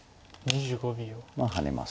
まあハネます